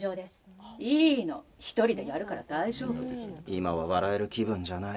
今は笑える気分じゃない。